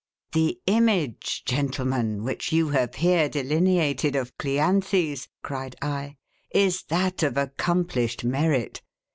The image, gentlemen, which you have here delineated of Cleanthes, cried I, is that of accomplished merit.